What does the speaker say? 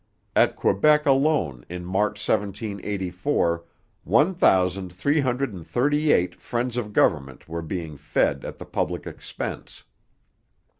At Quebec alone in March 1784 one thousand three hundred and thirty eight 'friends of government' were being fed at the public expense.